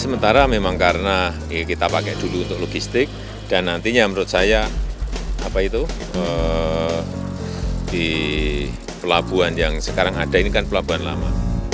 sementara memang karena kita pakai dulu untuk logistik dan nantinya menurut saya di pelabuhan yang sekarang ada ini kan pelabuhan lama